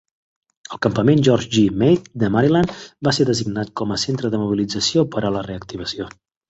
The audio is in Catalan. El Campament George G. Meade de Maryland va ser designat com a centre de mobilització per a la reactivació.